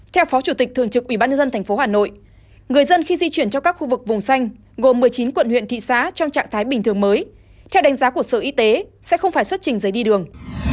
theo phó chủ tịch thường trực ubnd tp hà nội người dân khi di chuyển cho các khu vực vùng xanh gồm một mươi chín quận huyện thị xã trong trạng thái bình thường mới theo đánh giá của sở y tế sẽ không phải xuất trình giấy đi đường